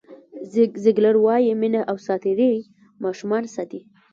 زیګ زیګلر وایي مینه او ساعتېرۍ ماشومان ساتي.